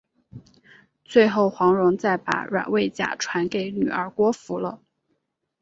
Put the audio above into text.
最后黄蓉再把软猬甲传给女儿郭芙了。